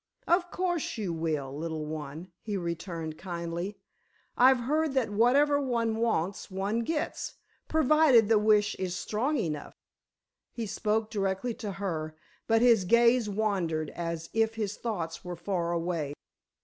"Of course you will, little one," he returned, kindly. "I've heard that whatever one wants, one gets, provided the wish is strong enough." He spoke directly to her, but his gaze wandered as if his thoughts were far away.